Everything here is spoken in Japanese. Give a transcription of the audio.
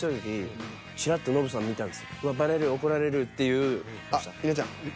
わっバレる怒られるっていう。